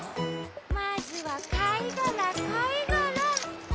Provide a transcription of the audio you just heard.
まずはかいがらかいがら。